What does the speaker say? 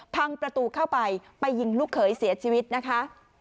พังประตูเข้าไปไปยิงลูกเขยเสียชีวิตนะคะ